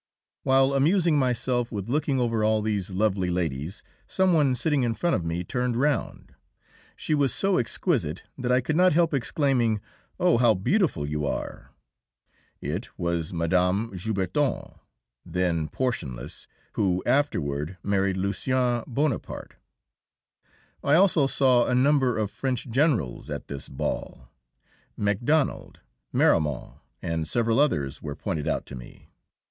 While amusing myself with looking over all these lovely ladies, some one sitting in front of me turned round. She was so exquisite that I could not help exclaiming, "Oh, how beautiful you are!" It was Mme. Jouberthon, then portionless, who afterward married Lucien Bonaparte. I also saw a number of French generals at this ball. Macdonald, Marmont and several others were pointed out to me.